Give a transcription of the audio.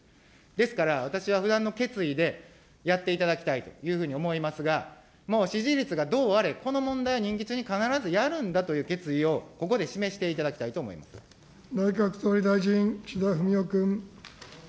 ですから、私は、不断の決意でやっていただきたいというふうに思いますが、もう支持率がどうあれ、この問題を任期中に必ずやるんだという決意を、ここで示していた内閣総理大臣、岸田文雄君。